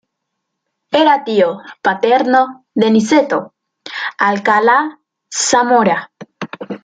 Era tío paterno de Niceto Alcalá-Zamora.